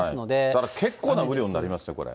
だから結構な雨量になりますよね、これ。